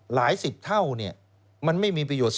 หลายสิบเท่าเนี่ยมันไม่มีประโยชน์